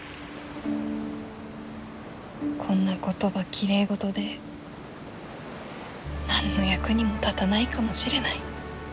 こんな言葉きれいごとで何の役にも立たないかもしれない。